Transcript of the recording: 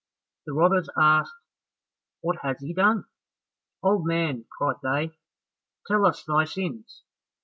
The robbers asked, "What has he done?" "Old man," cried they, "tell us thy sins."